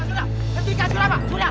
sudah pak sudah